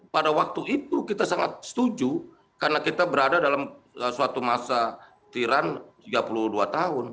pada waktu itu kita sangat setuju karena kita berada dalam suatu masa tiran tiga puluh dua tahun